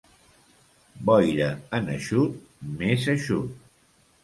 Boira en eixut, més eixut.